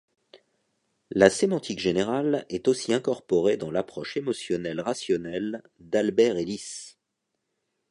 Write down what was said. La Sémantique générale est aussi incorporée dans l'approche émotionnelle-rationnelle d'Albert Ellis.